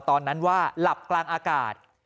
ตอนนั้นว่าหลับกลางอากาศ